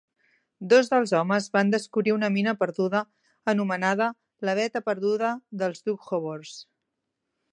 Dos dels homes van descobrir una mina perduda anomenada "La veta perduda dels dukhobors".